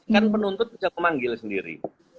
kan penuntut bisa memanggil sendiri